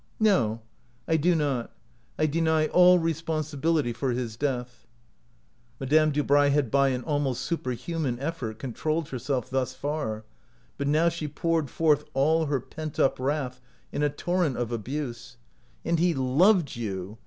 " No, I do not. I deny all responsibility for his death." Madame Dubray had by an almost super human effort controlled herself thus far, but now she poured forth all her pent up wrath in a torrent of abuse. "And he loved you!